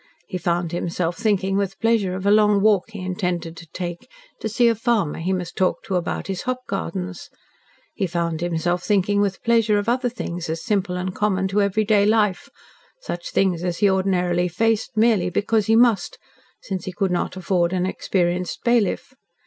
He found himself thinking with pleasure of a long walk he intended to take to see a farmer he must talk to about his hop gardens; he found himself thinking with pleasure of other things as simple and common to everyday life such things as he ordinarily faced merely because he must, since he could not afford an experienced bailiff.